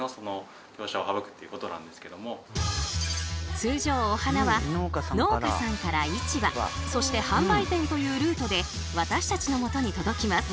通常お花は農家さんから市場そして販売店というルートで私たちのもとに届きます。